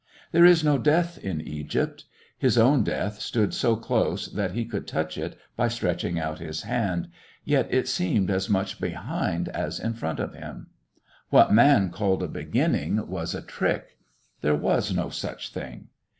There is no death in Egypt. His own death stood so close that he could touch it by stretching out his hand, yet it seemed as much behind as in front of him. What man called a beginning was a trick. There was no such thing.